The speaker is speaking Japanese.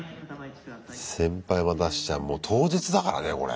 先輩待たせちゃもう当日だからねこれ。